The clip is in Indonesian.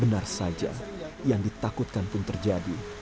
benar saja yang ditakutkan pun terjadi